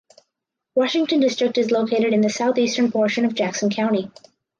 Washington District is located in the southeastern portion of Jackson County.